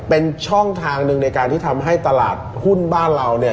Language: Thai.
เป็นช่องทางหนึ่งในการที่ทำให้ตลาดหุ้นบ้านเราเนี่ย